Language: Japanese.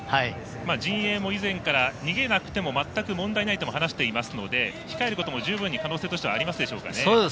陣営も以前から逃げなくても全く問題ないとも話していますので控えることも十分に可能性としてはありますでしょうかね。